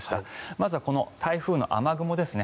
まずは台風の雨雲ですね。